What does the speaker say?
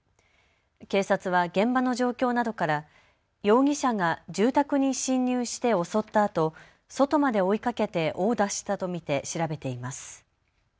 警察は現場の状況などから容疑者が住宅に侵入して襲ったあと、外まで追いかけて殴打したと見て調べています。